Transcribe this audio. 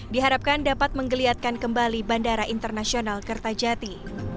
diharapkan dapat menggeliatkan kembali bandara internasional kertajati